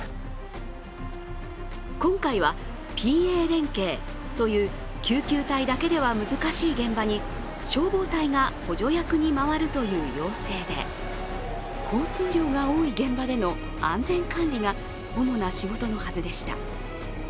今回はＰＡ連携という救急隊だけでは難しい現場に消防隊が補助役に回るという要請で交通量が多い現場での安全管理が主な仕事のはずでした。